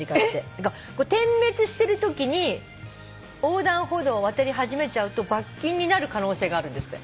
点滅してるときに横断歩道を渡り始めちゃうと罰金になる可能性があるんですって。